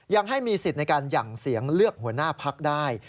ยังให้มีสิทธิ์ในการหยั่งเสียงเลือกหัวหน้าพักได้